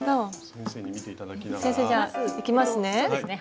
先生じゃあいきますね。